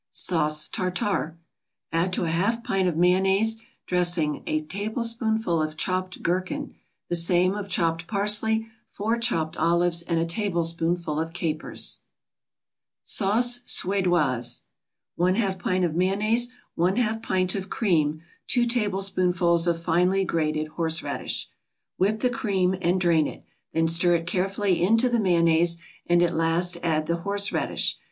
SAUCE TARTAR Add to a half pint of mayonnaise dressing a tablespoonful of chopped gherkin, the same of chopped parsley, four chopped olives and a tablespoonful of capers. SAUCE SUEDOISE 1/2 pint of mayonnaise 1/2 pint of cream 2 tablespoonfuls of finely grated horseradish Whip the cream and drain it, then stir it carefully into the mayonnaise, and at last add the horseradish.